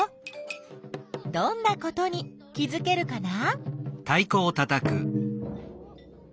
どんなことに気づけるかな？